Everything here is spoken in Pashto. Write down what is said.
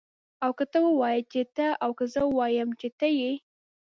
او که ته ووايي چې ته او که زه ووایم چه ته يې